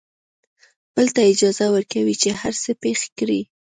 بل ته اجازه ورکوي چې هر څه پېښ کړي.